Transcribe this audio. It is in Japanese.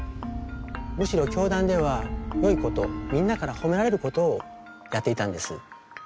むしろ教団ではよいことみんなから褒められることをやっていたんです。